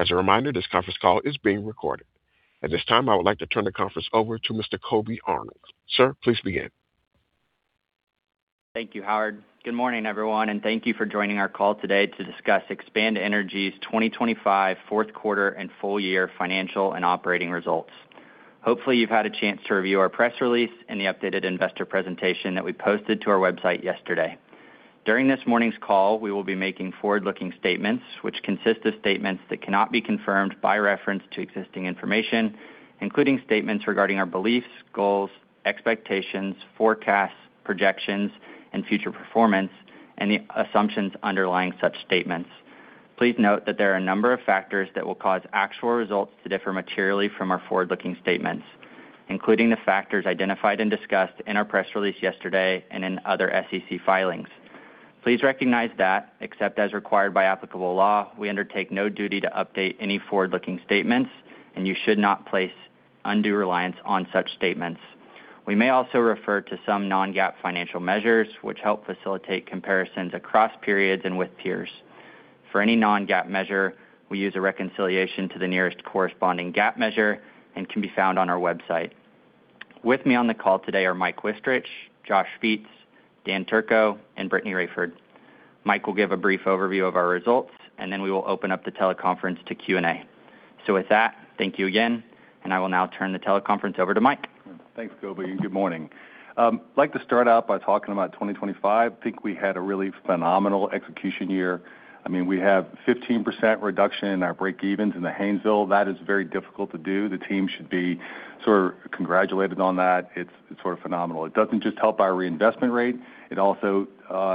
As a reminder, this conference call is being recorded. At this time, I would like to turn the conference over to Mr. Colby Arnold. Sir, please begin. Thank you, Howard. Good morning, everyone, and thank you for joining our call today to discuss Expand Energy's 2025 Fourth Quarter and Full Year Financial and Operating Results. Hopefully, you've had a chance to review our press release and the updated investor presentation that we posted to our website yesterday. During this morning's call, we will be making forward-looking statements, which consist of statements that cannot be confirmed by reference to existing information, including statements regarding our beliefs, goals, expectations, forecasts, projections, and future performance, and the assumptions underlying such statements. Please note that there are a number of factors that will cause actual results to differ materially from our forward-looking statements, including the factors identified and discussed in our press release yesterday and in other SEC filings. Please recognize that, except as required by applicable law, we undertake no duty to update any forward-looking statements, and you should not place undue reliance on such statements. We may also refer to some non-GAAP financial measures, which help facilitate comparisons across periods and with peers. For any non-GAAP measure, we use a reconciliation to the nearest corresponding GAAP measure and can be found on our website. With me on the call today are Mike Wichterich, Josh Viets, Dan Turco, and Brittany Raiford. Mike will give a brief overview of our results, and then we will open up the teleconference to Q&A. With that, thank you again, and I will now turn the teleconference over to Mike. Thanks, Colby, and good morning. I'd like to start out by talking about 2025. I think we had a really phenomenal execution year. I mean, we have 15% reduction in our breakevens in the Haynesville. That is very difficult to do. The team should be sort of congratulated on that. It's sort of phenomenal. It doesn't just help our reinvestment rate, it also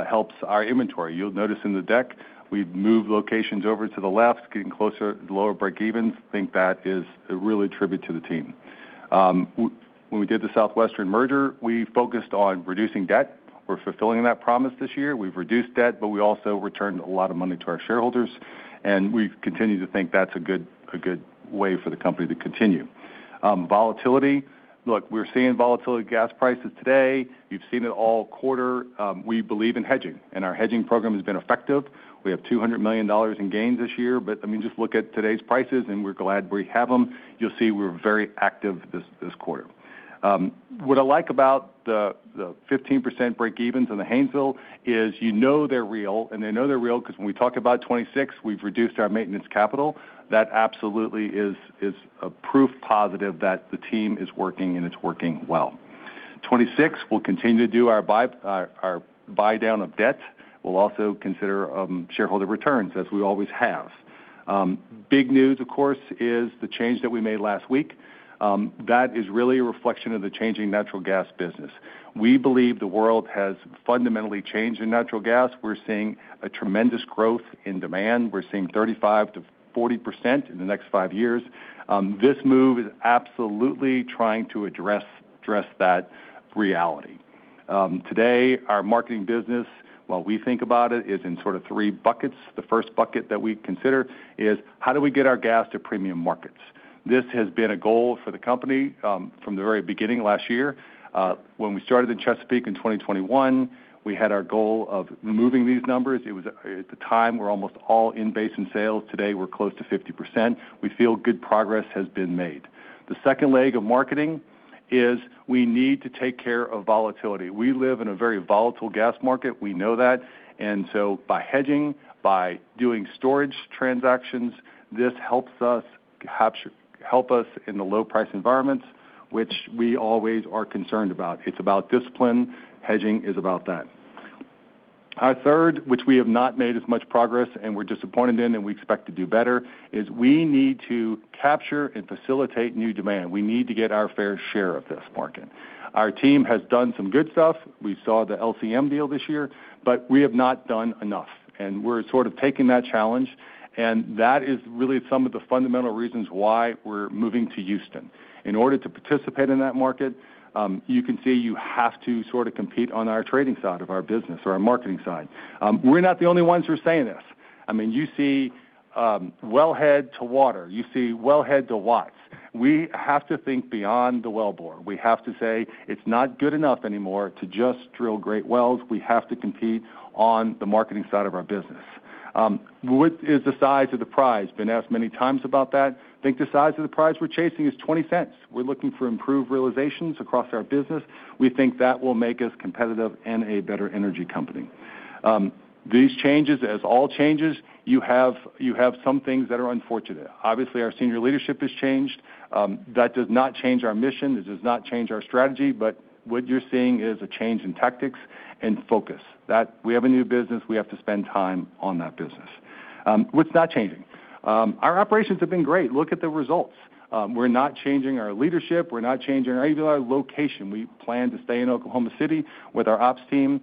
helps our inventory. You'll notice in the deck, we've moved locations over to the left, getting closer to the lower breakevens. I think that is a real tribute to the team. When we did the Southwestern merger, we focused on reducing debt. We're fulfilling that promise this year. We've reduced debt, but we also returned a lot of money to our shareholders, and we've continued to think that's a good, a good way for the company to continue. Volatility. Look, we're seeing volatility in gas prices today. You've seen it all quarter. We believe in hedging, and our hedging program has been effective. We have $200 million in gains this year, but I mean, just look at today's prices, and we're glad we have them. You'll see we're very active this quarter. What I like about the 15% break-evens in the Haynesville is you know they're real, and they know they're real, because when we talk about 2026, we've reduced our maintenance capital. That absolutely is a proof positive that the team is working, and it's working well. 2026, we'll continue to do our buy-down of debt. We'll also consider shareholder returns, as we always have. Big news, of course, is the change that we made last week. That is really a reflection of the changing natural gas business. We believe the world has fundamentally changed in natural gas. We're seeing a tremendous growth in demand. We're seeing 35%-40% in the next five years. This move is absolutely trying to address, address that reality. Today, our marketing business, while we think about it, is in sort of three buckets. The first bucket that we consider is: how do we get our gas to premium markets? This has been a goal for the company, from the very beginning last year. When we started in Chesapeake in 2021, we had our goal of moving these numbers. It was, at the time, we're almost all in basin sales. Today, we're close to 50%. We feel good progress has been made. The second leg of marketing is we need to take care of volatility. We live in a very volatile gas market. We know that. So by hedging, by doing storage transactions, this helps us capture, help us in the low price environments, which we always are concerned about. It's about discipline. Hedging is about that. Our third, which we have not made as much progress and we're disappointed in and we expect to do better, is we need to capture and facilitate new demand. We need to get our fair share of this market. Our team has done some good stuff. We saw the LNG deal this year, but we have not done enough, and we're sort of taking that challenge, and that is really some of the fundamental reasons why we're moving to Houston. In order to participate in that market, you can see you have to sort of compete on our trading side of our business or our marketing side. We're not the only ones who are saying this. I mean, you see, wellhead to water, you see wellhead to watts. We have to think beyond the wellbore. We have to say it's not good enough anymore to just drill great wells. We have to compete on the marketing side of our business. What is the size of the prize? Been asked many times about that. I think the size of the prize we're chasing is $0.20. We're looking for improved realizations across our business. We think that will make us competitive and a better energy company. These changes, as all changes, you have some things that are unfortunate. Obviously, our senior leadership has changed. That does not change our mission. It does not change our strategy, but what you're seeing is a change in tactics and focus. That we have a new business, we have to spend time on that business. What's not changing? Our operations have been great. Look at the results. We're not changing our leadership. We're not changing even our location. We plan to stay in Oklahoma City with our ops team.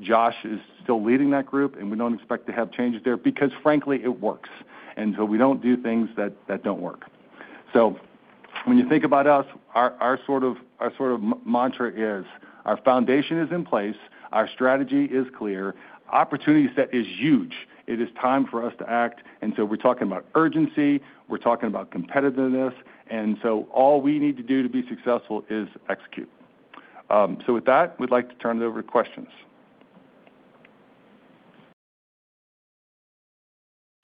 Josh is still leading that group, and we don't expect to have changes there because, frankly, it works. And so we don't do things that don't work. So when you think about us, our sort of mantra is: our foundation is in place, our strategy is clear, opportunity set is huge. It is time for us to act, and so we're talking about urgency, we're talking about competitiveness, and so all we need to do to be successful is execute. With that, we'd like to turn it over to questions.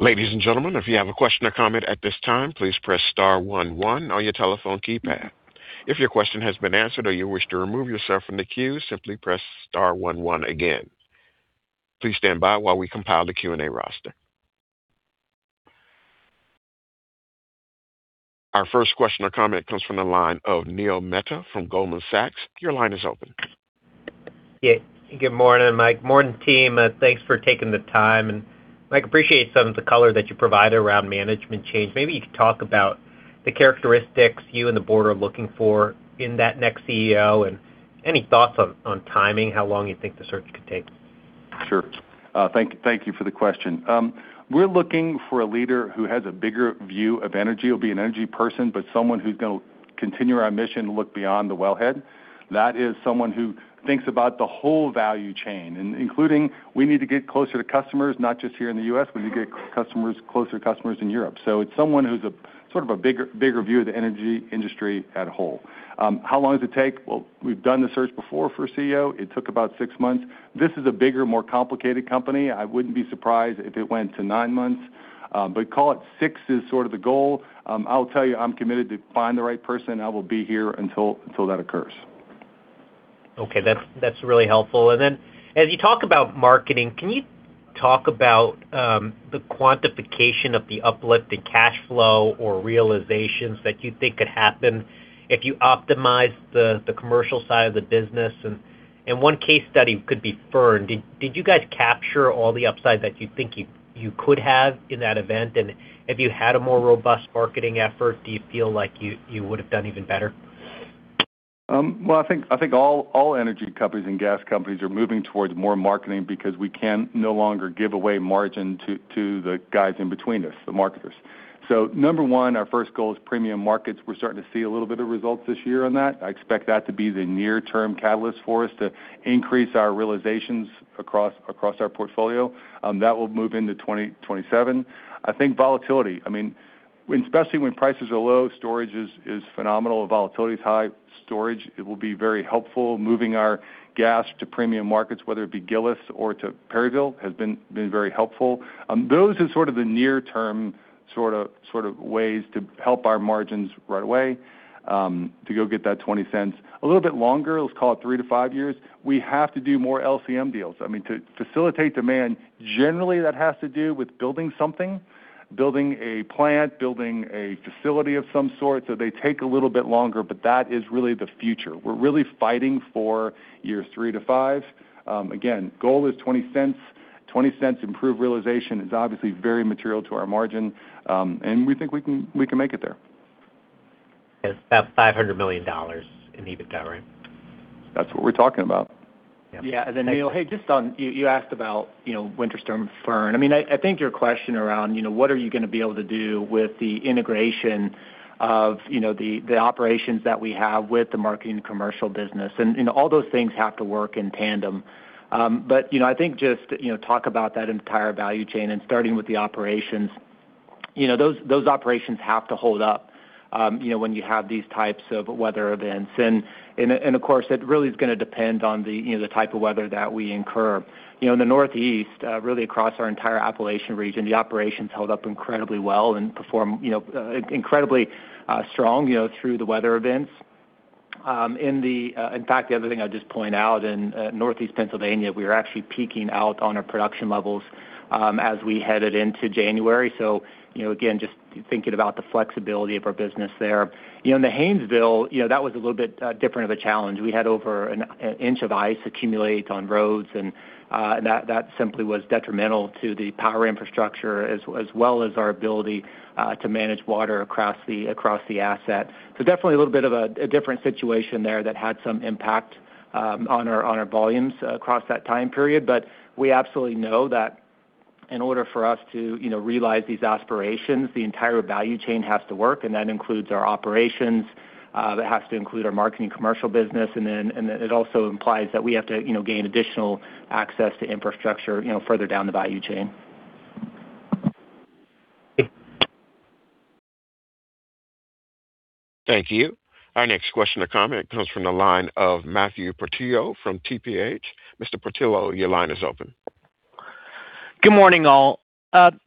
Ladies and gentlemen, if you have a question or comment at this time, please press star one one on your telephone keypad. If your question has been answered or you wish to remove yourself from the queue, simply press star one one again. Please stand by while we compile the Q&A roster. Our first question or comment comes from the line of Neil Mehta from Goldman Sachs. Your line is open. Yeah, good morning, Mike. Morning, team. Thanks for taking the time. Mike, appreciate some of the color that you provided around management change. Maybe you could talk about the characteristics you and the board are looking for in that next CEO and any thoughts on, on timing, how long you think the search could take? Sure. Thank, thank you for the question. We're looking for a leader who has a bigger view of energy, will be an energy person, but someone who's going to continue our mission to look beyond the well head. That is, someone who thinks about the whole value chain, and including we need to get closer to customers, not just here in the U.S., we need to get customers—closer to customers in Europe. So it's someone who's a sort of a bigger, bigger view of the energy industry as a whole. How long does it take? Well, we've done the search before for a CEO. It took about six months. This is a bigger, more complicated company. I wouldn't be surprised if it went to nine months, but call it six is sort of the goal. I'll tell you, I'm committed to find the right person, and I will be here until that occurs. Okay, that's, that's really helpful. And then as you talk about marketing, can you talk about the quantification of the uplift in cash flow or realizations that you think could happen if you optimize the commercial side of the business? And one case study could be Fern. Did you guys capture all the upside that you think you could have in that event? And if you had a more robust marketing effort, do you feel like you would have done even better? Well, I think all energy companies and gas companies are moving towards more marketing because we can no longer give away margin to the guys in between us, the marketers. So number one, our first goal is premium markets. We're starting to see a little bit of results this year on that. I expect that to be the near-term catalyst for us to increase our realizations across our portfolio. That will move into 2027. I think volatility, I mean, especially when prices are low, storage is phenomenal. Volatility is high. Storage, it will be very helpful. Moving our gas to premium markets, whether it be Gillis or to Perryville, has been very helpful. Those are sort of the near-term ways to help our margins right away, to go get that $0.20. A little bit longer, let's call it three-five years, we have to do more LCM deals. I mean, to facilitate demand, generally, that has to do with building something, building a plant, building a facility of some sort. So they take a little bit longer, but that is really the future. We're really fighting for years three-five. Again, goal is $0.20. $0.20 improved realization is obviously very material to our margin, and we think we can make it there. It's about $500 million in EBITDA, right? That's what we're talking about. Yeah. And then, Neil, hey, just on... You asked about, you know, Winter Storm Fern. I mean, I think your question around, you know, what are you going to be able to do with the integration of, you know, the operations that we have with the marketing commercial business, and all those things have to work in tandem. But, you know, I think just, you know, talk about that entire value chain and starting with the operations. You know, those operations have to hold up, you know, when you have these types of weather events. And of course, it really is going to depend on the, you know, the type of weather that we incur. You know, in the Northeast, really across our entire Appalachian region, the operations held up incredibly well and performed, you know, incredibly strong, you know, through the weather events. In fact, the other thing I'll just point out, in Northeast Pennsylvania, we were actually peaking out on our production levels, as we headed into January. So, you know, again, just thinking about the flexibility of our business there. You know, in the Haynesville, you know, that was a little bit different of a challenge. We had over an inch of ice accumulate on roads, and that simply was detrimental to the power infrastructure, as well as our ability to manage water across the asset. So definitely a little bit of a different situation there that had some impact on our volumes across that time period. But we absolutely know that in order for us to you know realize these aspirations, the entire value chain has to work, and that includes our operations that has to include our marketing commercial business. And then it also implies that we have to you know gain additional access to infrastructure you know further down the value chain. Thank you. Our next question or comment comes from the line of Matthew Portillo from TPH. Mr. Portillo, your line is open. Good morning, all.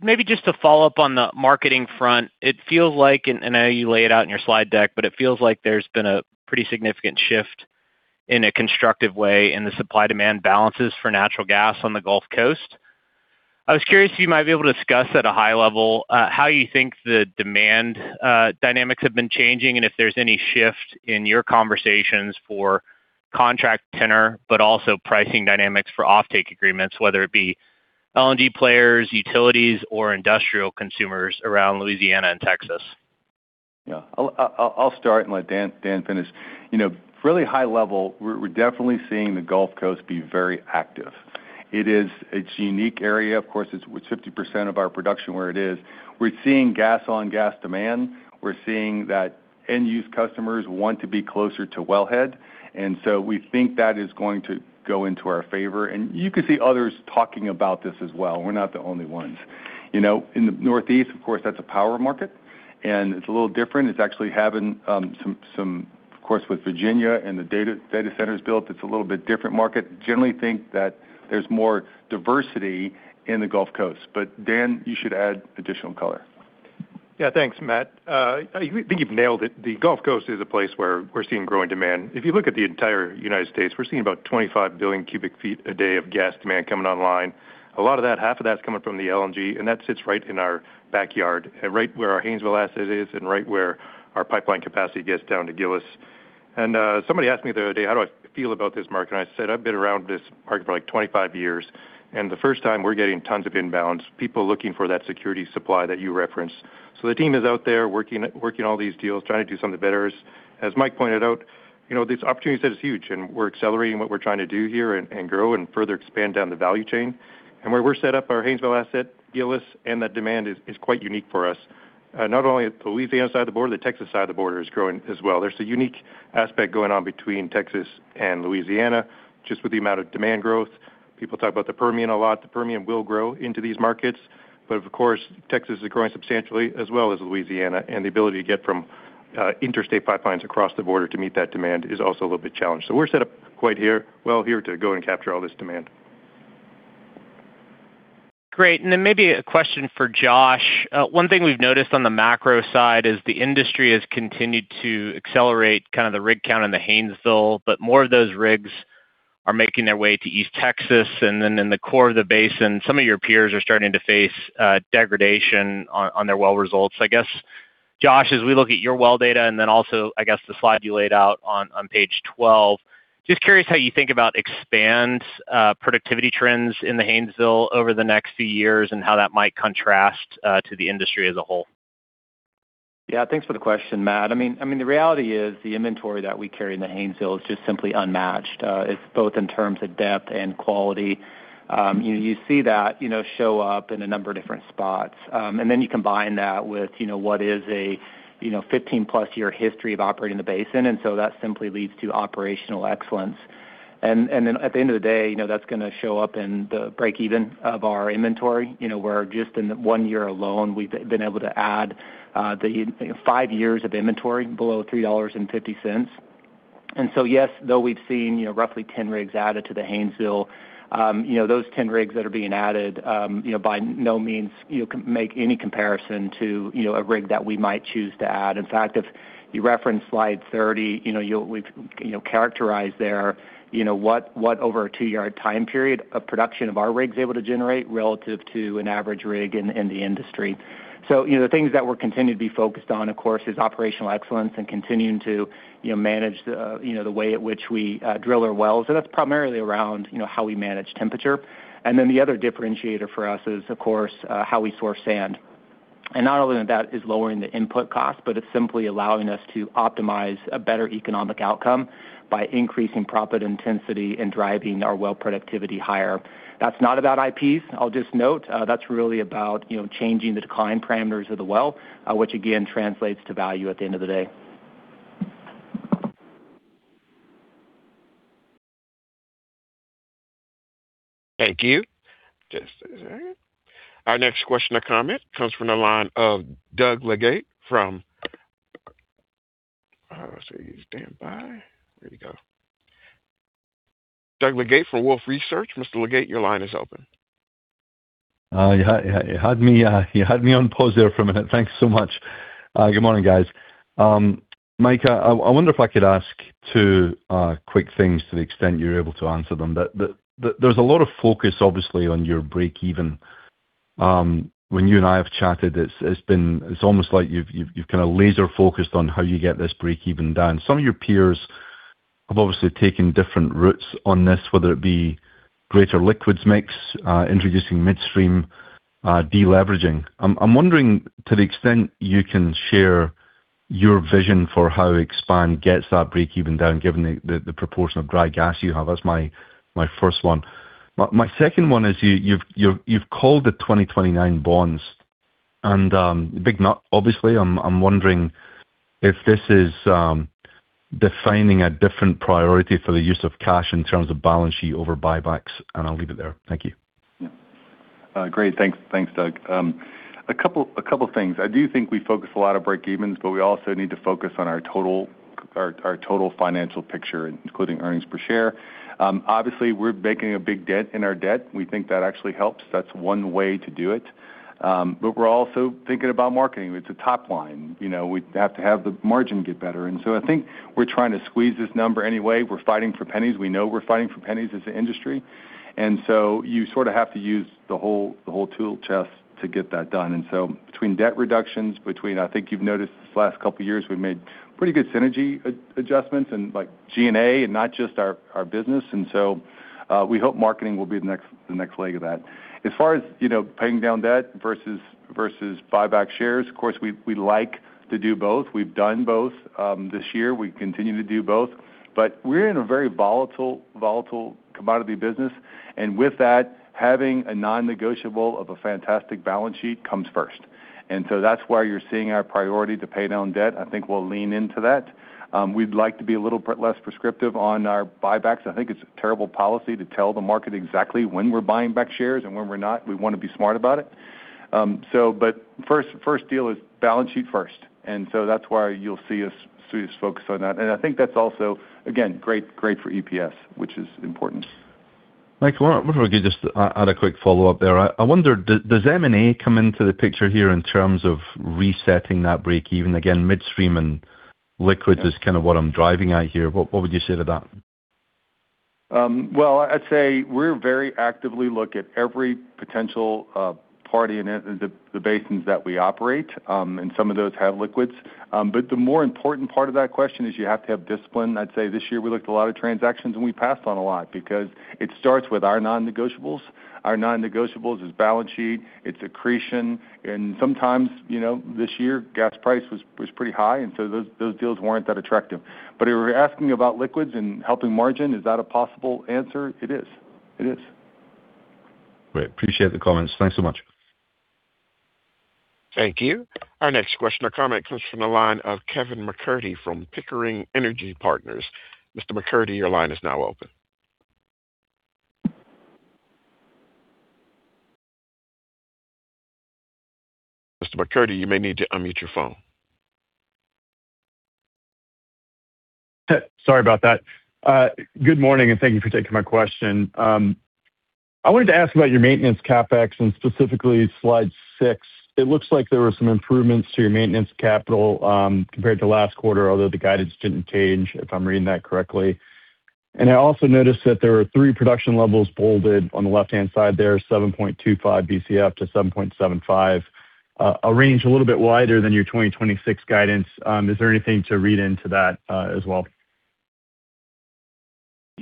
Maybe just to follow up on the marketing front, it feels like, and I know you lay it out in your slide deck, but it feels like there's been a pretty significant shift in a constructive way in the supply-demand balances for natural gas on the Gulf Coast. I was curious if you might be able to discuss at a high level, how you think the demand, dynamics have been changing, and if there's any shift in your conversations for contract tenor, but also pricing dynamics for offtake agreements, whether it be LNG players, utilities, or industrial consumers around Louisiana and Texas. Yeah. I'll start and let Dan finish. You know, really high level, we're definitely seeing the Gulf Coast be very active. It is a unique area. Of course, it's 50% of our production where it is. We're seeing gas on gas demand. We're seeing that end-use customers want to be closer to wellhead, and so we think that is going to go into our favor. And you can see others talking about this as well. We're not the only ones. You know, in the Northeast, of course, that's a power market, and it's a little different. It's actually having some. Of course, with Virginia and the data centers built, it's a little bit different market. Generally think that there's more diversity in the Gulf Coast, but Dan, you should add additional color. Yeah, thanks, Matt. I think you've nailed it. The Gulf Coast is a place where we're seeing growing demand. If you look at the entire United States, we're seeing about 25 billion cubic feet a day of gas demand coming online. A lot of that, half of that is coming from the LNG, and that sits right in our backyard, right where our Haynesville asset is and right where our pipeline capacity gets down to Gillis. And, somebody asked me the other day: How do I feel about this market? And I said, "I've been around this market for, like, 25 years, and the first time we're getting tons of imbalance, people looking for that security supply that you referenced." So the team is out there working, working all these deals, trying to do something better. As Mike pointed out, you know, this opportunity set is huge, and we're accelerating what we're trying to do here and grow and further expand down the value chain. And where we're set up, our Haynesville asset, Gillis, and that demand is quite unique for us. Not only the Louisiana side of the border, the Texas side of the border is growing as well. There's a unique aspect going on between Texas and Louisiana, just with the amount of demand growth. People talk about the Permian a lot. The Permian will grow into these markets, but of course, Texas is growing substantially as well as Louisiana, and the ability to get from interstate pipelines across the border to meet that demand is also a little bit challenged. So we're set up quite well here to go and capture all this demand. Great. And then maybe a question for Josh. One thing we've noticed on the macro side is the industry has continued to accelerate kind of the rig count in the Haynesville, but more of those rigs are making their way to East Texas, and then in the core of the basin, some of your peers are starting to face degradation on their well results. I guess, Josh, as we look at your well data, and then also, I guess, the slide you laid out on page 12, just curious how you think about Expand's productivity trends in the Haynesville over the next few years and how that might contrast to the industry as a whole? Yeah, thanks for the question, Matt. I mean, the reality is the inventory that we carry in the Haynesville is just simply unmatched. It's both in terms of depth and quality. You know, you see that, you know, show up in a number of different spots. And then you combine that with, you know, what is a, you know, 15-plus-year history of operating the basin, and so that simply leads to operational excellence. And then at the end of the day, you know, that's gonna show up in the break-even of our inventory. You know, we're just in one year alone, we've been able to add the five years of inventory below $3.50. And so, yes, though we've seen, you know, roughly 10 rigs added to the Haynesville, you know, those 10 rigs that are being added, you know, by no means, you know, make any comparison to, you know, a rig that we might choose to add. In fact, if you reference slide 30, you know, you'll, we've, you know, characterized there, you know, what over a two-year time period of production of our rigs able to generate relative to an average rig in the industry. So, you know, the things that we're continuing to be focused on, of course, is operational excellence and continuing to, you know, manage the, you know, the way at which we drill our wells, and that's primarily around, you know, how we manage temperature. And then the other differentiator for us is, of course, how we source sand. Not only that, that is lowering the input cost, but it's simply allowing us to optimize a better economic outcome by increasing profit intensity and driving our well productivity higher. That's not about IPs. I'll just note, that's really about, you know, changing the decline parameters of the well, which again, translates to value at the end of the day. Thank you. Just a second. Our next question or comment comes from the line of Doug Leggate from... so he's standing by. Here we go. Doug Leggate from Wolfe Research. Mr. Leggate, your line is open. You had me on pause there for a minute. Thank you so much. Good morning, guys. Mike, I wonder if I could ask two quick things to the extent you're able to answer them. There's a lot of focus, obviously, on your break-even. When you and I have chatted, it's been. It's almost like you've kind of laser-focused on how you get this break-even down. Some of your peers have obviously taken different routes on this, whether it be greater liquids mix, introducing midstream, deleveraging. I'm wondering, to the extent you can share your vision for how Expand gets that break-even down, given the proportion of dry gas you have. That's my first one. My second one is you've called the 2029 bonds and big note, obviously. I'm wondering if this is defining a different priority for the use of cash in terms of balance sheet over buybacks, and I'll leave it there. Thank you. Yeah. Great. Thanks, thanks, Doug. A couple things. I do think we focus a lot on breakevens, but we also need to focus on our total financial picture, including earnings per share. Obviously, we're making a big dent in our debt. We think that actually helps. That's one way to do it. But we're also thinking about marketing. It's a top line. You know, we have to have the margin get better. And so I think we're trying to squeeze this number anyway. We're fighting for pennies. We know we're fighting for pennies as an industry, and so you sort of have to use the whole tool chest to get that done. And so between debt reductions, between... I think you've noticed this last couple of years, we've made pretty good synergy adjustments and like G&A and not just our business, and so, we hope marketing will be the next leg of that. As far as, you know, paying down debt versus buyback shares, of course, we like to do both. We've done both this year. We continue to do both, but we're in a very volatile commodity business, and with that, having a non-negotiable of a fantastic balance sheet comes first. And so that's why you're seeing our priority to pay down debt. I think we'll lean into that. We'd like to be a little bit less prescriptive on our buybacks. I think it's a terrible policy to tell the market exactly when we're buying back shares and when we're not. We want to be smart about it.... So but first, first deal is balance sheet first, and so that's why you'll see us focus on that. And I think that's also, again, great for EPS, which is important. Mike, well, if I could just add a quick follow-up there. I wonder, does M&A come into the picture here in terms of resetting that breakeven? Again, midstream and liquids- Yeah. is kind of what I'm driving at here. What, what would you say to that? Well, I'd say we're very actively look at every potential party in it, the basins that we operate, and some of those have liquids. But the more important part of that question is you have to have discipline. I'd say this year we looked at a lot of transactions, and we passed on a lot because it starts with our non-negotiables. Our non-negotiables is balance sheet, it's accretion, and sometimes, you know, this year, gas price was pretty high, and so those deals weren't that attractive. But if you were asking about liquids and helping margin, is that a possible answer? It is. It is. Great. Appreciate the comments. Thanks so much. Thank you. Our next question or comment comes from the line of Kevin MacCurdy from Pickering Energy Partners. Mr. MacCurdy, your line is now open. Mr. MacCurdy, you may need to unmute your phone. Sorry about that. Good morning, and thank you for taking my question. I wanted to ask about your maintenance CapEx, and specifically slide six. It looks like there were some improvements to your maintenance capital, compared to last quarter, although the guidance didn't change, if I'm reading that correctly. And I also noticed that there were three production levels bolded on the left-hand side there, 7.25 Bcf-7.75 Bcf. A range a little bit wider than your 2026 guidance. Is there anything to read into that, as well?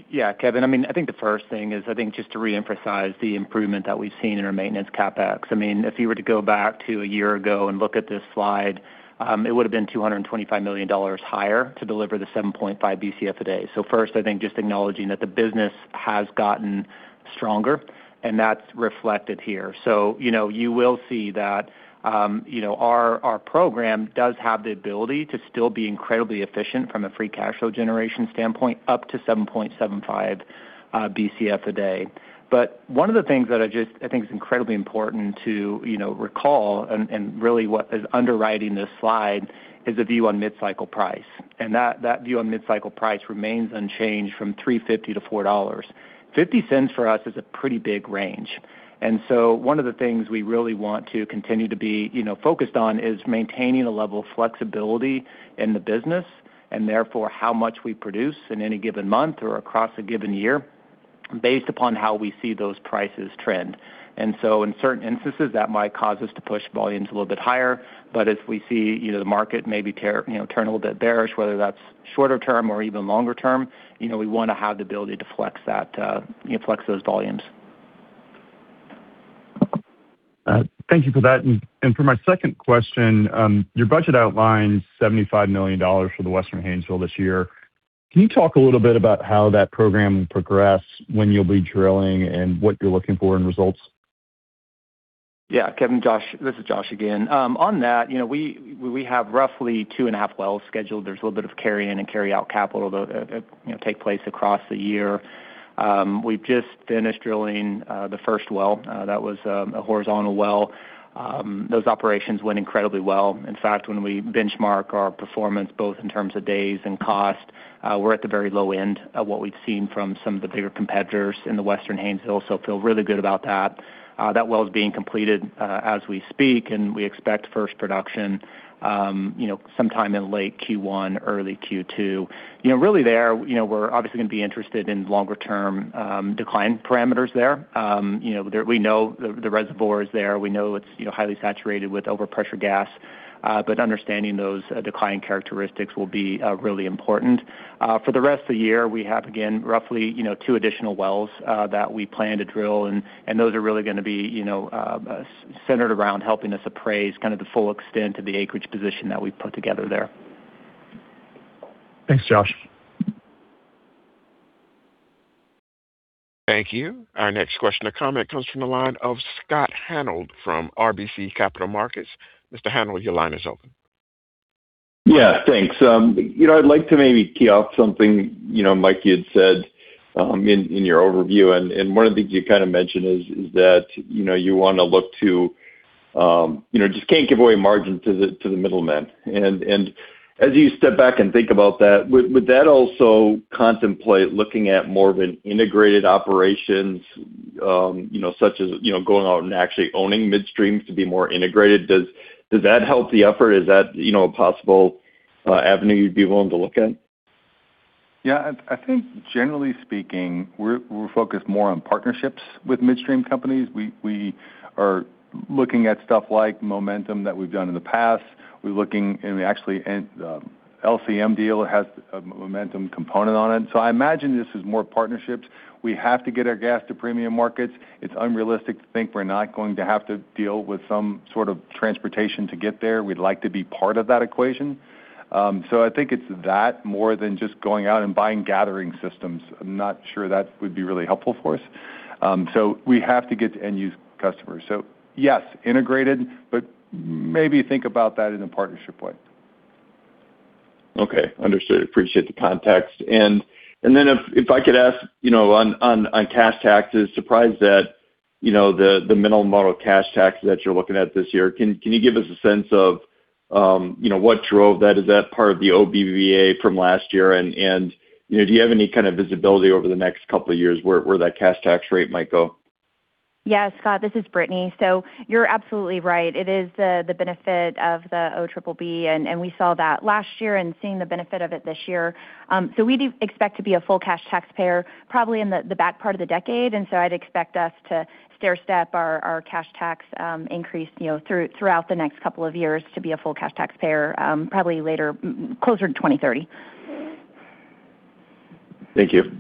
Yeah, Kevin. I mean, I think the first thing is, I think, just to reemphasize the improvement that we've seen in our maintenance CapEx. I mean, if you were to go back to a year ago and look at this slide, it would've been $225 million higher to deliver the 7.5 Bcf a day. So first, I think just acknowledging that the business has gotten stronger, and that's reflected here. So you know, you will see that, you know, our, our program does have the ability to still be incredibly efficient from a free cash flow generation standpoint, up to 7.75 Bcf a day. But one of the things that I think is incredibly important to, you know, recall, and really what is underwriting this slide, is a view on mid-cycle price, and that view on mid-cycle price remains unchanged from $3.50-$4. $0.50 for us is a pretty big range. And so one of the things we really want to continue to be, you know, focused on is maintaining a level of flexibility in the business and therefore, how much we produce in any given month or across a given year based upon how we see those prices trend. And so in certain instances, that might cause us to push volumes a little bit higher. But as we see, you know, the market, maybe there, you know, turn a little bit bearish, whether that's shorter term or even longer term, you know, we wanna have the ability to flex that, you know, flex those volumes. Thank you for that. For my second question, your budget outlines $75 million for the Western Haynesville this year. Can you talk a little bit about how that program will progress, when you'll be drilling, and what you're looking for in results? Yeah, Kevin. Josh, this is Josh again. On that, you know, we have roughly 2.5 wells scheduled. There's a little bit of carry-in and carry-out capital, though, you know, take place across the year. We've just finished drilling the first well that was a horizontal well. Those operations went incredibly well. In fact, when we benchmark our performance, both in terms of days and cost, we're at the very low end of what we've seen from some of the bigger competitors in the Western Haynesville, so feel really good about that. That well is being completed as we speak, and we expect first production, you know, sometime in late Q1, early Q2. You know, really there, you know, we're obviously gonna be interested in longer-term decline parameters there. You know, there, we know the reservoir is there. We know it's, you know, highly saturated with overpressure gas, but understanding those decline characteristics will be really important. For the rest of the year, we have, again, roughly, you know, two additional wells that we plan to drill, and those are really gonna be, you know, centered around helping us appraise kind of the full extent of the acreage position that we've put together there. Thanks, Josh. Thank you. Our next question or comment comes from the line of Scott Hanold from RBC Capital Markets. Mr. Hanold, your line is open. Yeah, thanks. You know, I'd like to maybe key off something, you know, Mike, you had said in your overview, and one of the things you kind of mentioned is that, you know, you wanna look to just can't give away margin to the middleman. As you step back and think about that, would that also contemplate looking at more of an integrated operations, you know, such as going out and actually owning midstreams to be more integrated? Does that help the effort? Is that a possible avenue you'd be willing to look at? Yeah, I think generally speaking, we're focused more on partnerships with midstream companies. We are looking at stuff like momentum that we've done in the past. We're looking... And actually, and, LNG deal has a momentum component on it. So I imagine this is more partnerships. We have to get our gas to premium markets. It's unrealistic to think we're not going to have to deal with some sort of transportation to get there. We'd like to be part of that equation. So I think it's that, more than just going out and buying gathering systems. I'm not sure that would be really helpful for us. So we have to get to end-use customers. So yes, integrated, but maybe think about that in a partnership way. Okay, understood. Appreciate the context. And then if I could ask, you know, on cash taxes, surprised that, you know, the minimum model cash tax that you're looking at this year. Can you give us a sense of, you know, what drove that? Is that part of the OBBBA from last year? And, you know, do you have any kind of visibility over the next couple of years where that cash tax rate might go? Yeah, Scott, this is Brittany. So you're absolutely right. It is the benefit of the OBBB, and we saw that last year and seeing the benefit of it this year. So we do expect to be a full cash taxpayer probably in the back part of the decade, and so I'd expect us to stairstep our cash tax increase, you know, throughout the next couple of years to be a full cash taxpayer, probably later, closer to 2030. Thank you.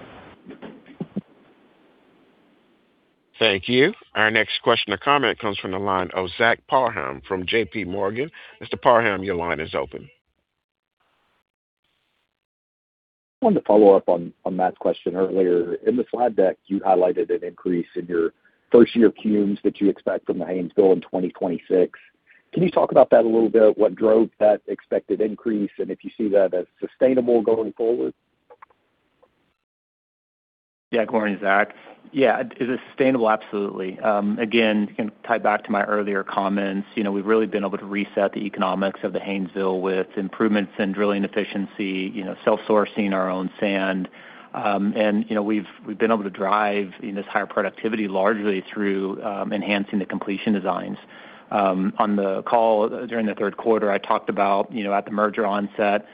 Thank you. Our next question or comment comes from the line of Zach Parham from JPMorgan. Mr. Parham, your line is open. I wanted to follow up on Matt's question earlier. In the slide deck, you highlighted an increase in your first year CUMs that you expect from the Haynesville in 2026. Can you talk about that a little bit? What drove that expected increase, and if you see that as sustainable going forward? Yeah, good morning, Zach. Yeah, it is sustainable. Absolutely. Again, and tie back to my earlier comments, you know, we've really been able to reset the economics of the Haynesville with improvements in drilling efficiency, you know, self-sourcing our own sand. And, you know, we've been able to drive this higher productivity largely through enhancing the completion designs. On the call, during the third quarter, I talked about, you know, at the merger onset,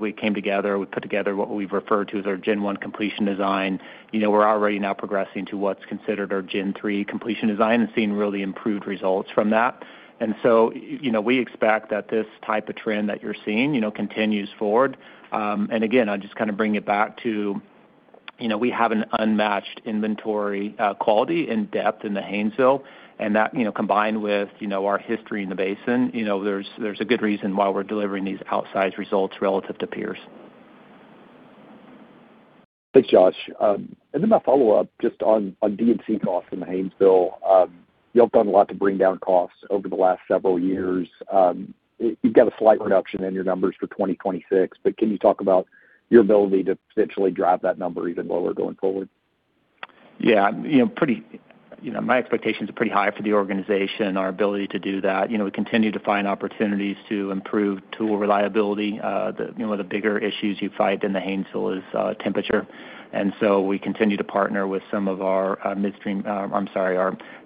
we came together, we put together what we've referred to as our Gen One completion design. You know, we're already now progressing to what's considered our Gen Three completion design and seeing really improved results from that. And so, you know, we expect that this type of trend that you're seeing, you know, continues forward. And again, I'll just kind of bring it back to, you know, we have an unmatched inventory, quality and depth in the Haynesville, and that, you know, combined with, you know, our history in the basin, you know, there's a good reason why we're delivering these outsized results relative to peers. Thanks, Josh. And then my follow-up, just on D&C costs in the Haynesville. You all have done a lot to bring down costs over the last several years. You've got a slight reduction in your numbers for 2026, but can you talk about your ability to potentially drive that number even lower going forward? Yeah, you know, my expectations are pretty high for the organization, our ability to do that. You know, we continue to find opportunities to improve tool reliability. You know, the bigger issues you fight in the Haynesville is temperature, and so we continue to partner with some of our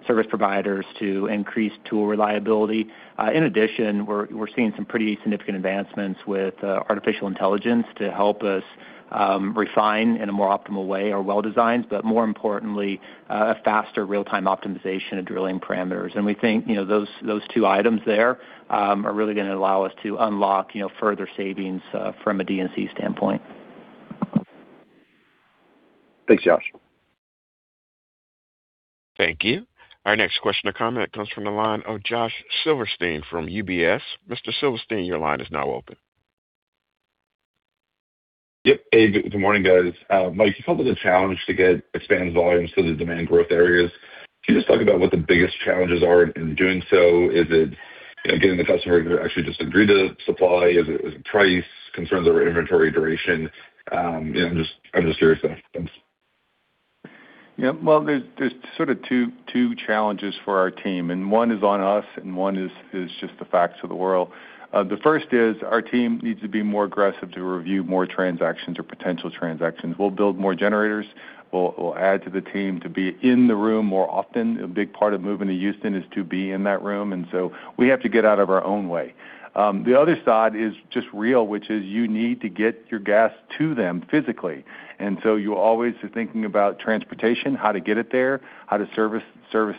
service providers to increase tool reliability. In addition, we're seeing some pretty significant advancements with artificial intelligence to help us refine in a more optimal way our well designs, but more importantly, a faster real-time optimization of drilling parameters. We think, you know, those two items there are really gonna allow us to unlock further savings from a D&C standpoint. Thanks, Josh. Thank you. Our next question or comment comes from the line of Josh Silverstein from UBS. Mr. Silverstein, your line is now open. Yep. Hey, good morning, guys. Mike, you talked about the challenge to get expanded volumes to the demand growth areas. Can you just talk about what the biggest challenges are in doing so? Is it, you know, getting the customer to actually just agree to supply? Is it price, concerns over inventory duration? And just I'm just curious. Thanks. Yeah. Well, there's sort of two challenges for our team, and one is on us and one is just the facts of the world. The first is our team needs to be more aggressive to review more transactions or potential transactions. We'll build more generators. We'll add to the team to be in the room more often. A big part of moving to Houston is to be in that room, and so we have to get out of our own way. The other side is just real, which is you need to get your gas to them physically, and so you always are thinking about transportation, how to get it there, how to service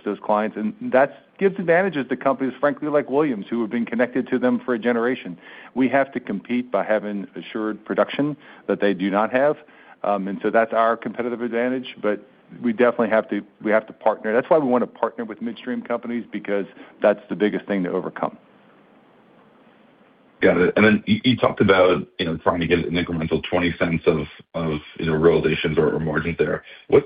those clients, and that's gives advantages to companies, frankly, like Williams, who have been connected to them for a generation. We have to compete by having assured production that they do not have, and so that's our competitive advantage. But we definitely have to - we have to partner. That's why we want to partner with midstream companies, because that's the biggest thing to overcome. Got it. And then you talked about, you know, trying to get an incremental $0.20 of, you know, realizations or margins there.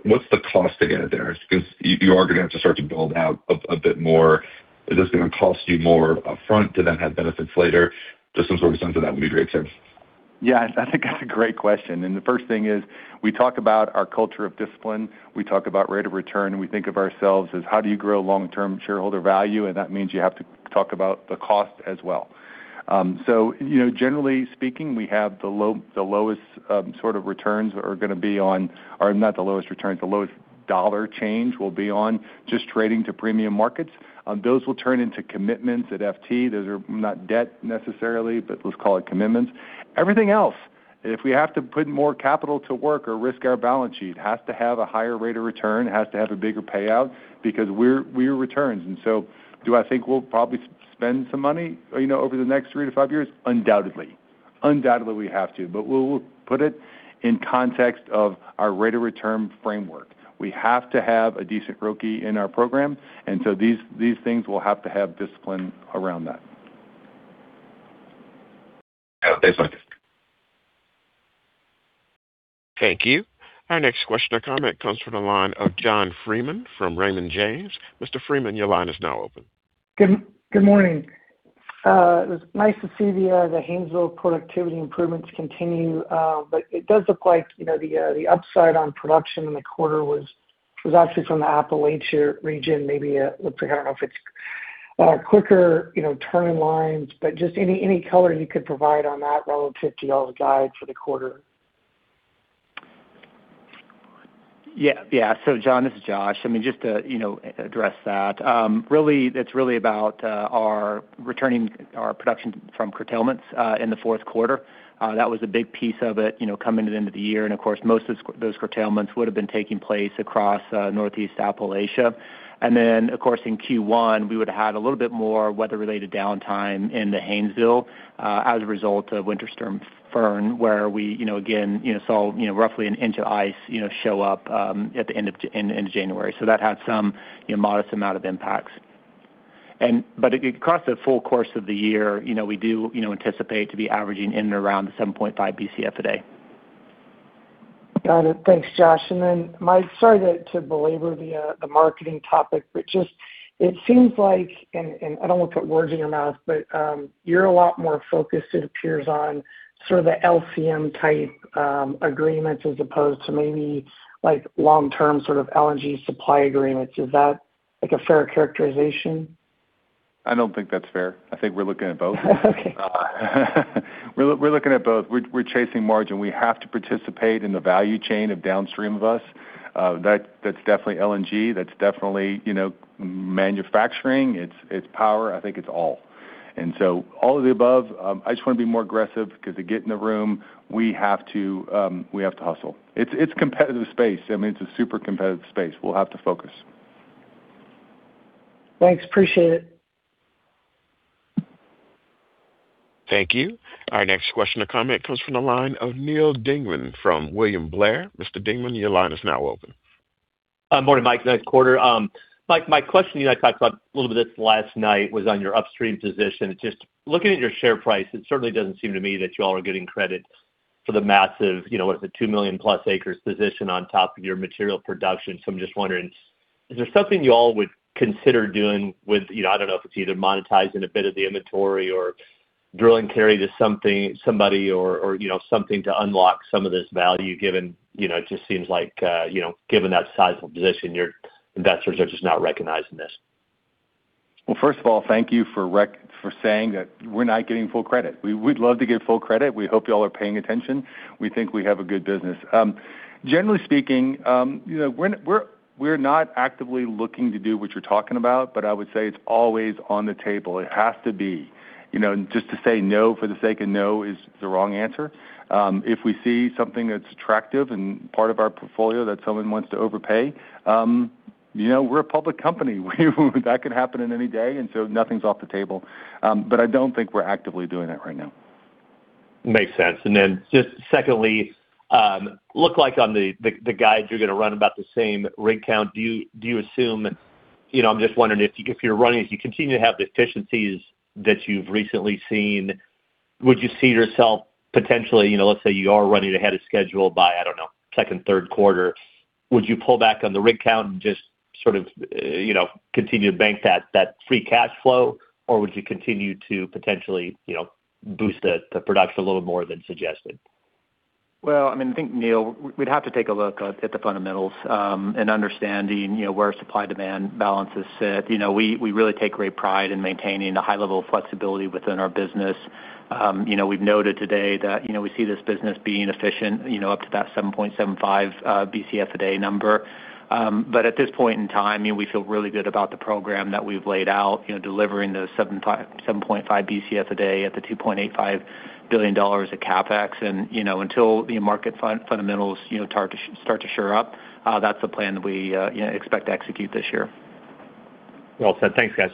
What’s the cost to get it there? Because you are gonna have to start to build out a bit more. Is this gonna cost you more upfront to then have benefits later? Just some sort of sense of that would be great. Thanks. Yes, I think that's a great question, and the first thing is we talk about our culture of discipline. We talk about rate of return, and we think of ourselves as how do you grow long-term shareholder value, and that means you have to talk about the cost as well. So you know, generally speaking, we have the lowest sort of returns are gonna be on... Or not the lowest returns, the lowest dollar change will be on just trading to premium markets. Those will turn into commitments at FT. Those are not debt necessarily, but let's call it commitments. Everything else, if we have to put more capital to work or risk our balance sheet, has to have a higher rate of return, has to have a bigger payout because we're, we are returns. So do I think we'll probably spend some money, you know, over the next three-five years? Undoubtedly. Undoubtedly, we have to, but we'll, we'll put it in context of our rate of return framework. We have to have a decent ROE in our program, and so these, these things will have to have discipline around that. Yeah. Thanks, Mike. Thank you. Our next question or comment comes from the line of John Freeman from Raymond James. Mr. Freeman, your line is now open. Good morning. It was nice to see the Haynesville productivity improvements continue, but it does look like, you know, the upside on production in the quarter was actually from the Appalachia region. Maybe looks like I don't know if it's quicker, you know, turning lines, but just any color you could provide on that relative to y'all's guide for the quarter? Yeah. Yeah. So John, this is Josh. I mean, just to, you know, address that, really, it's really about our returning our production from curtailments in the fourth quarter. That was a big piece of it, you know, coming to the end of the year. And of course, most of those curtailments would have been taking place across Northeast Appalachia. And then, of course, in Q1, we would have had a little bit more weather-related downtime in the Haynesville as a result of Winter Storm Fern, where we, you know, again, you know, saw, you know, roughly an inch of ice, you know, show up at the end of January. So that had some, you know, modest amount of impacts. But across the full course of the year, you know, we do, you know, anticipate to be averaging in and around 7.5 Bcf a day. Got it. Thanks, Josh. And then, Mike, sorry to belabor the marketing topic, but just it seems like, and I don't want to put words in your mouth, but you're a lot more focused, it appears, on sort of the LNG-type agreements, as opposed to maybe like long-term sort of LNG supply agreements. Is that, like, a fair characterization? I don't think that's fair. I think we're looking at both. Okay. We're looking at both. We're chasing margin. We have to participate in the value chain downstream of us. That's definitely LNG. That's definitely, you know, manufacturing. It's power. I think it's all. And so all of the above. I just want to be more aggressive because to get in the room, we have to hustle. It's competitive space. I mean, it's a super competitive space. We'll have to focus. Thanks. Appreciate it. Thank you. Our next question or comment comes from the line of Neal Dingmann from William Blair. Mr. Dingmann, your line is now open. Morning, Mike. Nice quarter. Mike, my question, you know, I talked about a little bit this last night, was on your upstream position. It's just looking at your share price, it certainly doesn't seem to me that you all are getting credit for the massive, you know, what is the 2 million-plus acres position on top of your material production. So I'm just wondering: is there something you all would consider doing with, you know, I don't know if it's either monetizing a bit of the inventory or drilling carry to something - somebody or, or, you know, something to unlock some of this value given, you know, it just seems like, you know, given that sizable position, your investors are just not recognizing this. Well, first of all, thank you for saying that we're not getting full credit. We would love to get full credit. We hope you all are paying attention. We think we have a good business. Generally speaking, you know, we're not actively looking to do what you're talking about, but I would say it's always on the table. It has to be. You know, just to say no for the sake of no is the wrong answer. If we see something that's attractive and part of our portfolio that someone wants to overpay, you know, we're a public company, that can happen in any day, and so nothing's off the table. But I don't think we're actively doing that right now. Makes sense. And then just secondly, look like on the, the guide, you're going to run about the same rig count. Do you assume... You know, I'm just wondering if you, if you're running, if you continue to have the efficiencies that you've recently seen, would you see yourself potentially, you know, let's say you are running ahead of schedule by, I don't know, second, third quarter, would you pull back on the rig count and just sort of, you know, continue to bank that, that free cash flow? Or would you continue to potentially, you know, boost the, the production a little more than suggested? Well, I mean, I think, Neal, we'd have to take a look at the fundamentals and understanding, you know, where supply-demand balances sit. You know, we really take great pride in maintaining a high level of flexibility within our business. You know, we've noted today that, you know, we see this business being efficient, you know, up to that 7.75 Bcf a day number. But at this point in time, you know, we feel really good about the program that we've laid out, you know, delivering those 7.5 Bcf a day at the $2.85 billion of CapEx. And, you know, until the market fundamentals, you know, start to shore up, that's the plan that we, you know, expect to execute this year. Well said. Thanks, guys.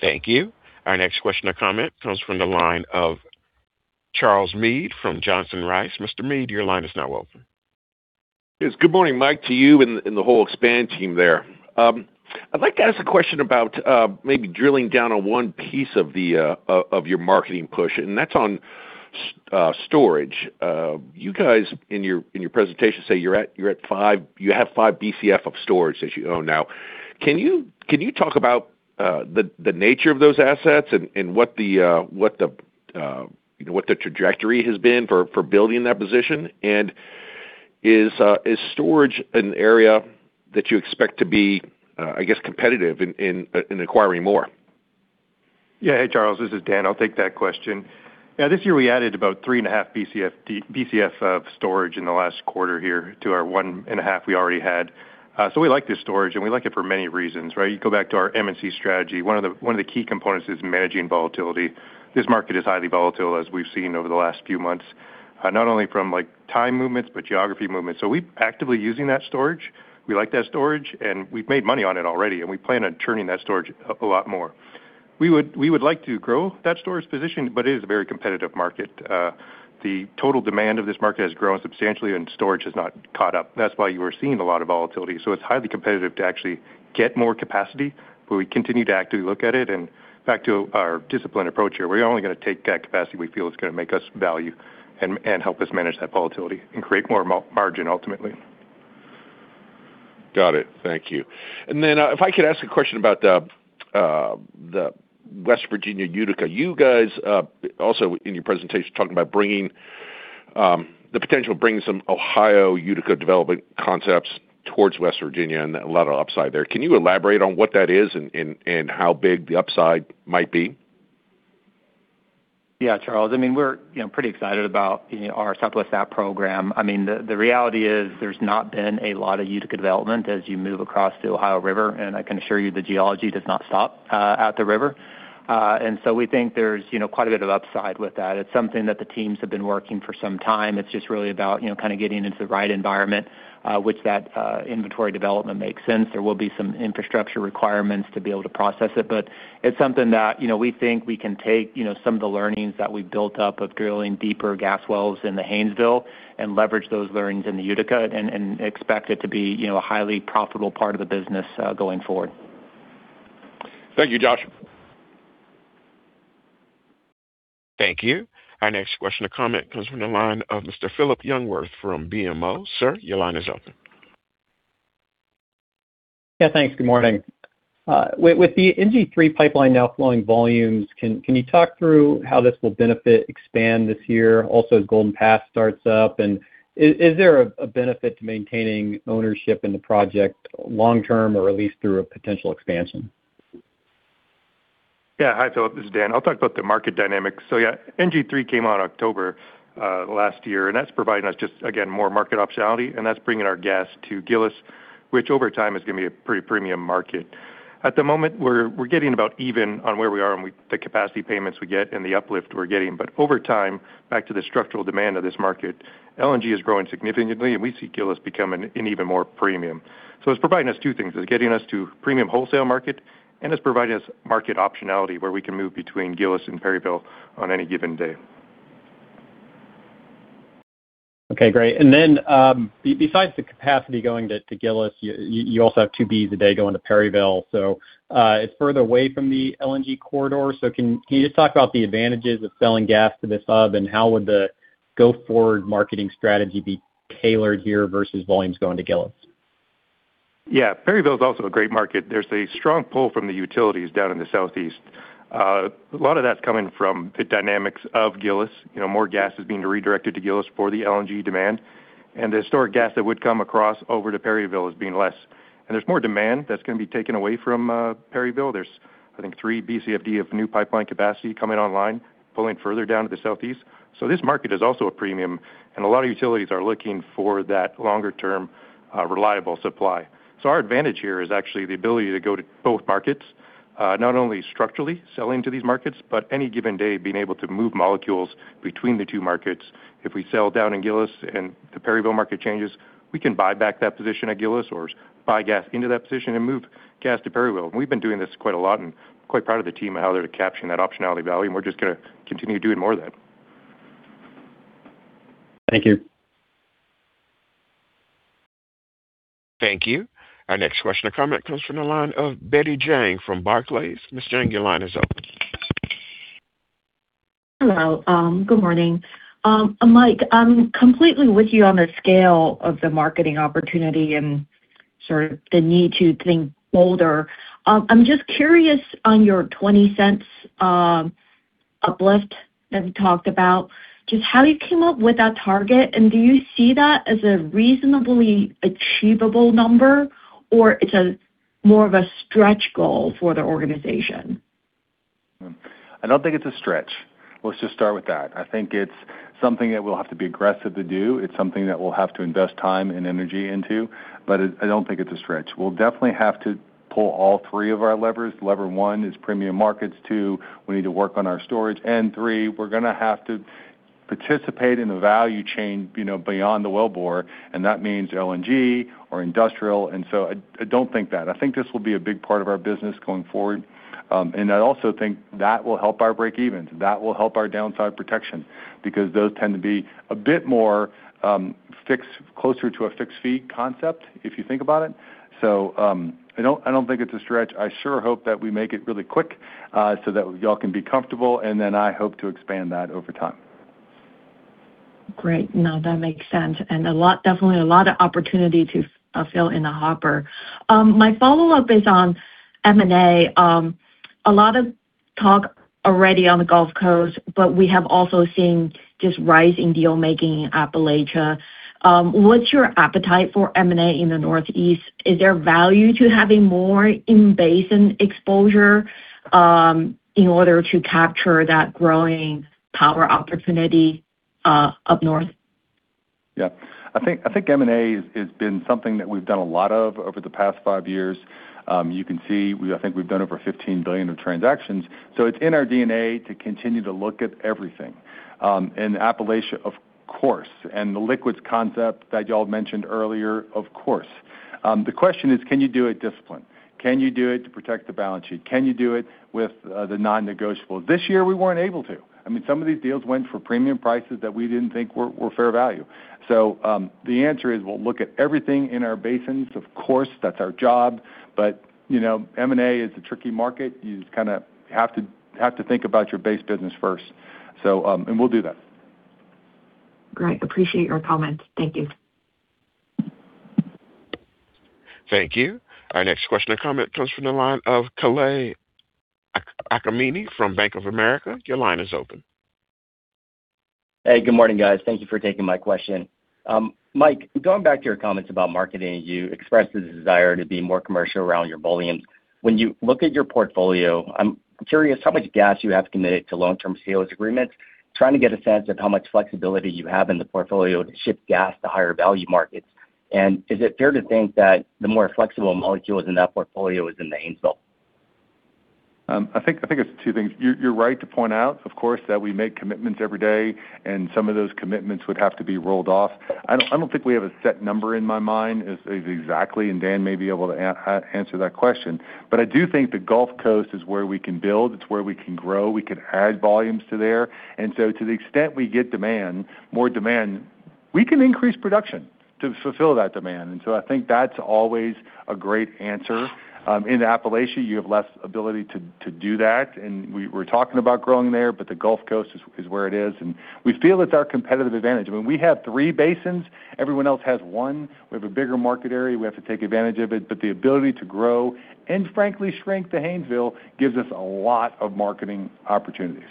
Thank you. Our next question or comment comes from the line of Charles Meade from Johnson Rice. Mr. Meade, your line is now open. Yes. Good morning, Mike, to you and the whole Expand team there. I'd like to ask a question about maybe drilling down on one piece of your marketing push, and that's on storage. You guys, in your presentation, say you have 5 Bcf of storage that you own now. Can you talk about the nature of those assets and what the trajectory has been for building that position? And is storage an area that you expect to be, I guess, competitive in acquiring more? Yeah. Hey, Charles, this is Dan. I'll take that question. Yeah, this year we added about 3.5 Bcf of storage in the last quarter here to our 1.5 we already had. So we like this storage, and we like it for many reasons, right? You go back to our M&C strategy. One of the key components is managing volatility. This market is highly volatile, as we've seen over the last few months, not only from, like, time movements, but geography movements. So we're actively using that storage. We like that storage, and we've made money on it already, and we plan on turning that storage a lot more. We would like to grow that storage position, but it is a very competitive market. The total demand of this market has grown substantially and storage has not caught up. That's why you are seeing a lot of volatility. So it's highly competitive to actually get more capacity, but we continue to actively look at it. And back to our disciplined approach here, we're only going to take that capacity we feel is going to make us value and help us manage that volatility and create more margin ultimately. Got it. Thank you. And then, if I could ask a question about the West Virginia Utica. You guys also in your presentation talking about bringing the potential of bringing some Ohio Utica development concepts towards West Virginia, and a lot of upside there. Can you elaborate on what that is and how big the upside might be? Yeah, Charles, I mean, we're, you know, pretty excited about, you know, our Southwest App program. I mean, the reality is there's not been a lot of Utica development as you move across the Ohio River, and I can assure you the geology does not stop at the river. And so we think there's, you know, quite a bit of upside with that. It's something that the teams have been working for some time. It's just really about, you know, kind of getting into the right environment, which that inventory development makes sense. There will be some infrastructure requirements to be able to process it, but it's something that, you know, we think we can take, you know, some of the learnings that we've built up of drilling deeper gas wells in the Haynesville and leverage those learnings in the Utica and expect it to be, you know, a highly profitable part of the business, going forward. Thank you, Josh. Thank you. Our next question or comment comes from the line of Mr. Philip Jungwirth from BMO. Sir, your line is open. Yeah, thanks. Good morning. With the NG3 pipeline now flowing volumes, can you talk through how this will benefit Expand this year? Also, as Golden Pass starts up, and is there a benefit to maintaining ownership in the project long term, or at least through a potential expansion? Yeah. Hi, Philip, this is Dan. I'll talk about the market dynamics. So yeah, NG3 came out October last year, and that's providing us just, again, more market optionality, and that's bringing our gas to Gillis, which over time is gonna be a pretty premium market. At the moment, we're getting about even on where we are and the capacity payments we get and the uplift we're getting. But over time, back to the structural demand of this market, LNG is growing significantly, and we see Gillis become an even more premium. So it's providing us two things. It's getting us to premium wholesale market, and it's providing us market optionality, where we can move between Gillis and Perryville on any given day. Okay, great. And then, besides the capacity going to Gillis, you also have 2 Bs a day going to Perryville, so it's further away from the LNG corridor. So can you just talk about the advantages of selling gas to this hub, and how would the go-forward marketing strategy be tailored here versus volumes going to Gillis? Yeah. Perryville is also a great market. There's a strong pull from the utilities down in the southeast. A lot of that's coming from the dynamics of Gillis. You know, more gas is being redirected to Gillis for the LNG demand, and the historic gas that would come across over to Perryville is being less. And there's more demand that's gonna be taken away from Perryville. There's, I think, 3 Bcf/d of new pipeline capacity coming online, pulling further down to the southeast. So this market is also a premium, and a lot of utilities are looking for that longer-term reliable supply. So our advantage here is actually the ability to go to both markets, not only structurally selling to these markets, but any given day, being able to move molecules between the two markets. If we sell down in Gillis and the Perryville market changes, we can buy back that position at Gillis or buy gas into that position and move gas to Perryville. We've been doing this quite a lot and quite proud of the team, how they're capturing that optionality value, and we're just gonna continue doing more of that. Thank you. Thank you. Our next question or comment comes from the line of Betty Jiang from Barclays. Ms. Jiang, your line is open. Hello. Good morning. Mike, I'm completely with you on the scale of the marketing opportunity and sort of the need to think bolder. I'm just curious on your $0.20 uplift that you talked about, just how you came up with that target, and do you see that as a reasonably achievable number, or it's more of a stretch goal for the organization? I don't think it's a stretch. Let's just start with that. I think it's something that we'll have to be aggressive to do. It's something that we'll have to invest time and energy into, but it—I don't think it's a stretch. We'll definitely have to pull all three of our levers. Lever one is premium markets, two, we need to work on our storage, and three, we're gonna have to participate in the value chain, you know, beyond the wellbore, and that means LNG or industrial. And so I, I don't think that. I think this will be a big part of our business going forward. And I also think that will help our breakevens. That will help our downside protection, because those tend to be a bit more, fixed, closer to a fixed fee concept, if you think about it. So, I don't, I don't think it's a stretch. I sure hope that we make it really quick, so that y'all can be comfortable, and then I hope to expand that over time. Great. No, that makes sense, and a lot, definitely a lot of opportunity to fill in the hopper. My follow-up is on M&A. A lot of talk already on the Gulf Coast, but we have also seen just rising deal-making in Appalachia. What's your appetite for M&A in the Northeast? Is there value to having more in-basin exposure, in order to capture that growing power opportunity, up north? Yeah. I think M&A has been something that we've done a lot of over the past five years. You can see, we, I think we've done over $15 billion of transactions, so it's in our DNA to continue to look at everything. And Appalachia, of course, and the liquids concept that y'all mentioned earlier, of course. The question is: Can you do it disciplined? Can you do it to protect the balance sheet? Can you do it with the non-negotiables? This year, we weren't able to. I mean, some of these deals went for premium prices that we didn't think were fair value. So, the answer is, we'll look at everything in our basins. Of course, that's our job. But, you know, M&A is a tricky market. You just kinda have to think about your base business first. So, and we'll do that. Great. Appreciate your comments. Thank you. Thank you. Our next question or comment comes from the line of Kalei Akamine from Bank of America. Your line is open. Hey, good morning, guys. Thank you for taking my question. Mike, going back to your comments about marketing, you expressed the desire to be more commercial around your volumes. When you look at your portfolio, I'm curious how much gas you have committed to long-term sales agreements. Trying to get a sense of how much flexibility you have in the portfolio to ship gas to higher value markets. And is it fair to think that the more flexible molecules in that portfolio is in the Haynesville? I think, I think it's two things. You're, you're right to point out, of course, that we make commitments every day, and some of those commitments would have to be rolled off. I don't, I don't think we have a set number in my mind as, as exactly, and Dan may be able to answer that question. But I do think the Gulf Coast is where we can build, it's where we can grow. We can add volumes to there, and so to the extent we get demand, more demand, we can increase production to fulfill that demand. And so I think that's always a great answer. In Appalachia, you have less ability to, to do that, and we're talking about growing there, but the Gulf Coast is, is where it is, and we feel it's our competitive advantage. When we have three basins, everyone else has one. We have a bigger market area, we have to take advantage of it. But the ability to grow and frankly, strength to Haynesville gives us a lot of marketing opportunities.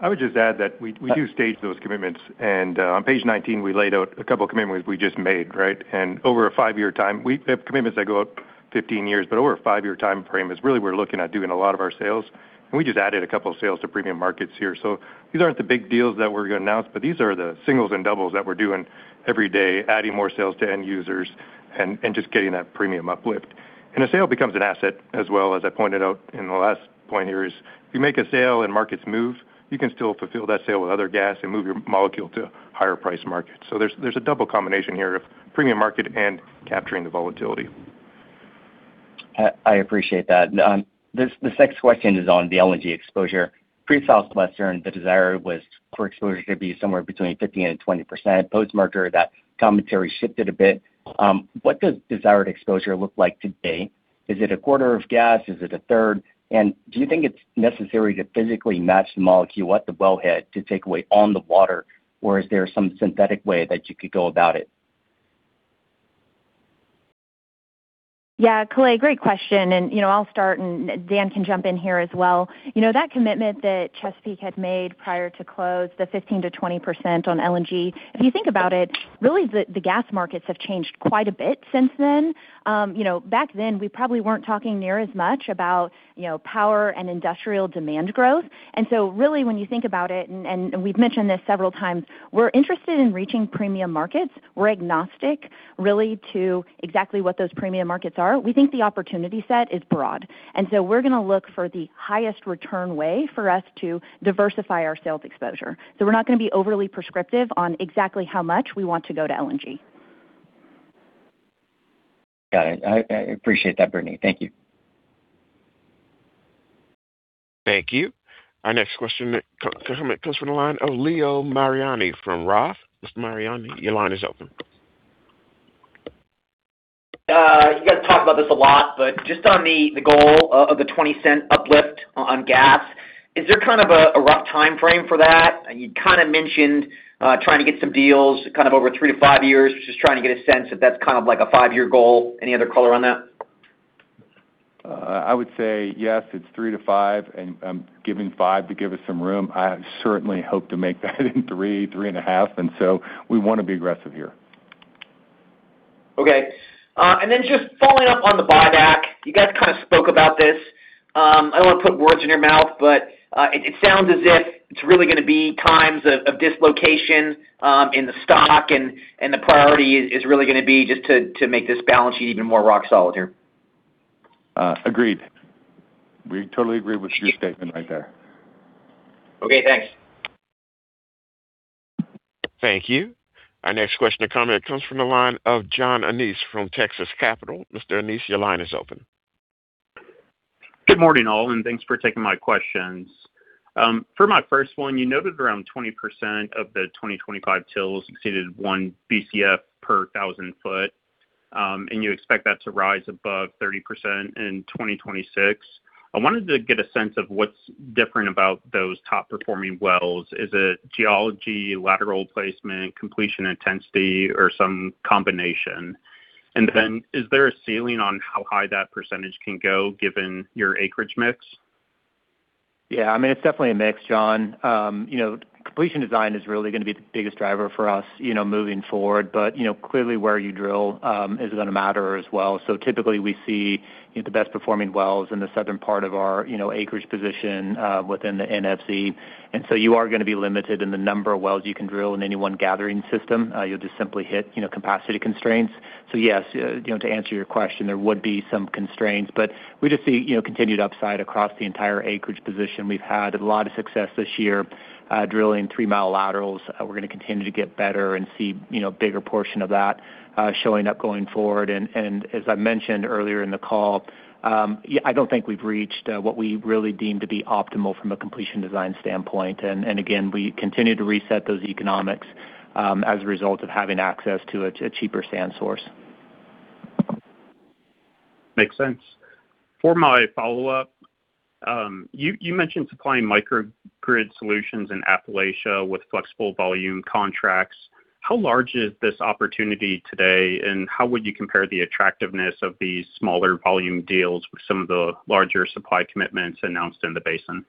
I would just add that we, we do stage those commitments, and on page 19, we laid out a couple of commitments we just made, right? And over a five-year time, we have commitments that go out 15 years, but over a five-year timeframe is really we're looking at doing a lot of our sales, and we just added a couple of sales to premium markets here. So these aren't the big deals that we're going to announce, but these are the singles and doubles that we're doing every day, adding more sales to end users and, and just getting that premium uplift. And a sale becomes an asset as well. As I pointed out in the last point here, is if you make a sale and markets move, you can still fulfill that sale with other gas and move your molecule to higher price markets. So there's a double combination here of premium market and capturing the volatility. I appreciate that. This next question is on the LNG exposure. Pre-Southwestern, the desire was for exposure to be somewhere between 15%-20%. Post-merger, that commentary shifted a bit. What does desired exposure look like today? Is it a quarter of gas? Is it a third? And do you think it's necessary to physically match the molecule at the wellhead to take away on the water, or is there some synthetic way that you could go about it? Yeah, Kalei, great question, and, you know, I'll start, and Dan can jump in here as well. You know, that commitment that Chesapeake had made prior to close, the 15%-20% on LNG, if you think about it, really, the gas markets have changed quite a bit since then. You know, back then, we probably weren't talking near as much about, you know, power and industrial demand growth. And so really, when you think about it, and we've mentioned this several times, we're interested in reaching premium markets. We're agnostic, really, to exactly what those premium markets are. We think the opportunity set is broad, and so we're going to look for the highest return way for us to diversify our sales exposure. So we're not going to be overly prescriptive on exactly how much we want to go to LNG. Got it. I appreciate that, Brittany. Thank you. Thank you. Our next question that comes from the line of Leo Mariani from Roth. Mr. Mariani, your line is open. You guys talk about this a lot, but just on the goal of the $0.20 uplift on gas, is there kind of a rough timeframe for that? You kind of mentioned trying to get some deals kind of over three-five years. Just trying to get a sense if that's kind of like a five-year goal. Any other color on that? I would say yes, it's three-five, and I'm giving five to give us some room. I certainly hope to make that in three, three and a half, and so we want to be aggressive here. Okay. And then just following up on the buyback. You guys kind of spoke about this. I don't want to put words in your mouth, but it sounds as if it's really gonna be times of dislocation in the stock, and the priority is really gonna be just to make this balance sheet even more rock solid here. Agreed. We totally agree with your statement right there. Okay, thanks. Thank you. Our next question or comment comes from the line of John Annis from Texas Capital. Mr. Annis, your line is open. Good morning, all, and thanks for taking my questions. For my first one, you noted around 20% of the 2025 TILs exceeded 1 Bcf per thousand foot, and you expect that to rise above 30% in 2026. I wanted to get a sense of what's different about those top-performing wells. Is it geology, lateral placement, completion intensity, or some combination? And then is there a ceiling on how high that percentage can go given your acreage mix? Yeah, I mean, it's definitely a mix, John. You know, completion design is really gonna be the biggest driver for us, you know, moving forward. But, you know, clearly, where you drill, is gonna matter as well. So typically, we see the best performing wells in the southern part of our, you know, acreage position, within the NFG. And so you are gonna be limited in the number of wells you can drill in any one gathering system. You'll just simply hit, you know, capacity constraints. So yes, you know, to answer your question, there would be some constraints, but we just see, you know, continued upside across the entire acreage position. We've had a lot of success this year, drilling three-mile laterals. We're gonna continue to get better and see, you know, bigger portion of that, showing up going forward. As I mentioned earlier in the call, yeah, I don't think we've reached what we really deem to be optimal from a completion design standpoint. Again, we continue to reset those economics as a result of having access to a cheaper sand source. Makes sense. For my follow-up, you mentioned supplying microgrid solutions in Appalachia with flexible volume contracts. How large is this opportunity today, and how would you compare the attractiveness of these smaller volume deals with some of the larger supply commitments announced in the basin?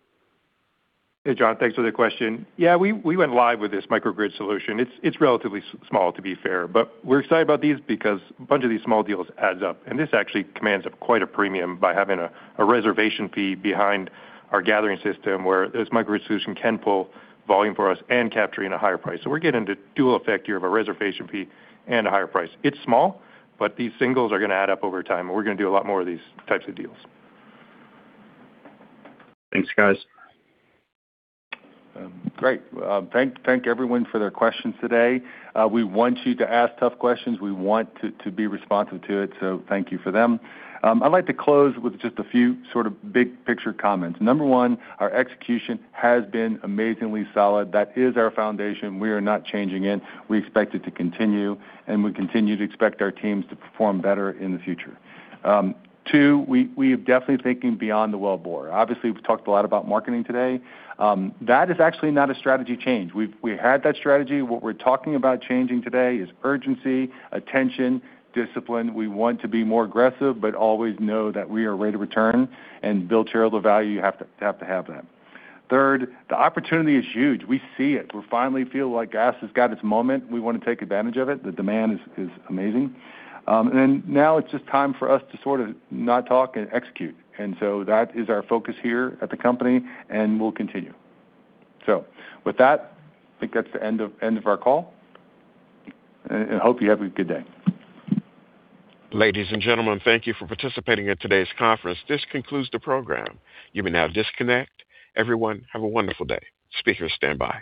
Hey, John, thanks for the question. Yeah, we went live with this microgrid solution. It's relatively small, to be fair, but we're excited about these because a bunch of these small deals adds up, and this actually commands up quite a premium by having a reservation fee behind our gathering system, where this microgrid solution can pull volume for us and capturing a higher price. So we're getting the dual effect here of a reservation fee and a higher price. It's small, but these singles are gonna add up over time, and we're gonna do a lot more of these types of deals. Thanks, guys. Great. Thank, thank everyone for their questions today. We want you to ask tough questions. We want to, to be responsive to it, so thank you for them. I'd like to close with just a few sort of big-picture comments. Number one, our execution has been amazingly solid. That is our foundation. We are not changing it. We expect it to continue, and we continue to expect our teams to perform better in the future. Two, we, we are definitely thinking beyond the wellbore. Obviously, we've talked a lot about marketing today. That is actually not a strategy change. We've we had that strategy. What we're talking about changing today is urgency, attention, discipline. We want to be more aggressive, but always know that we are rate of return, and to build shareholder value, you have to, have to have that. Third, the opportunity is huge. We see it. We finally feel like gas has got its moment. We wanna take advantage of it. The demand is amazing. And now it's just time for us to sort of not talk and execute, and so that is our focus here at the company, and we'll continue. So with that, I think that's the end of our call. And hope you have a good day. Ladies and gentlemen, thank you for participating in today's conference. This concludes the program. You may now disconnect. Everyone, have a wonderful day. Speakers, standby.